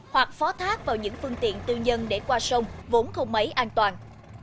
hoặc phó thác vào những phương tiện tư nhân để qua sông vốn không mấy an toàn